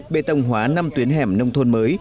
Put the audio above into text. bê tông hóa năm tuyến hẻm nông thôn mới